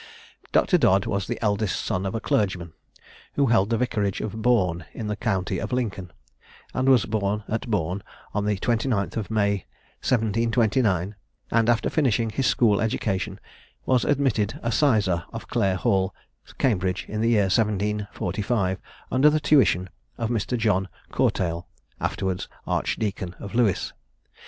Dr. Dodd was the eldest son of a clergyman who held the vicarage of Bourne in the county of Lincoln, and was born at Bourne on the 29th of May 1729; and after finishing his school education, was admitted a sizar of Clare Hall, Cambridge, in the year 1745, under the tuition of Mr. John Courtail, afterwards Archdeacon of Lewes.